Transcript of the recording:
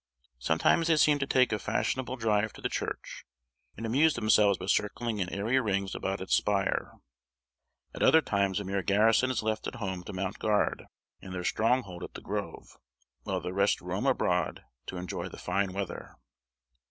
Sometimes they seem to take a fashionable drive to the church, and amuse themselves by circling in airy rings about its spire: at other times a mere garrison is left at home to mount guard in their stronghold at the grove, while the rest roam abroad to enjoy the fine weather.